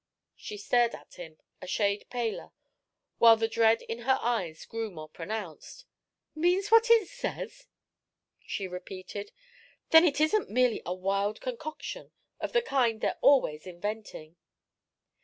She stared at him, a shade paler, while the dread in her eyes grew more pronounced. "Means what it says?" she repeated. "Then it isn't merely a wild concoction of the kind they're always inventing?"